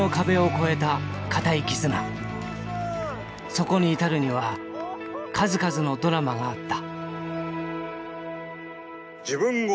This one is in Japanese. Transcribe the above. そこに至るには数々のドラマがあった。